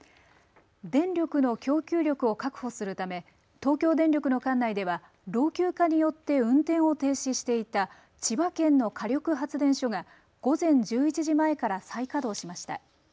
電力の供給力を確保するため東京電力の管内では老朽化によって運転を停止していた千葉県の火力発電所が午前１１時前から再稼働しました。